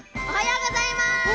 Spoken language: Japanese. おはようございます！